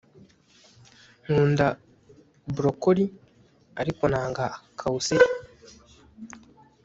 Nkunda broccoli ariko nanga kawuseri